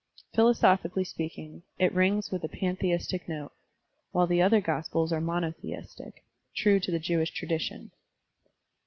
Philosophically speaking, it rings with a pantheistic note, while the other gospels are monotheistic, true to the Jewish tradition.